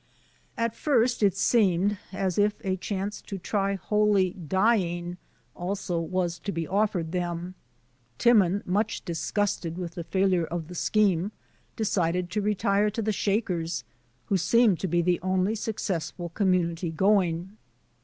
At first it seemed as if a chance to try holy dying also was to be offered them. Timon, much disgusted with the failure of the scheme, decided to retire to the Shakers, who seemed to be the only successful Community going.